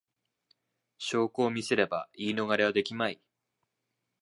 証拠を見せれば言い逃れはできまい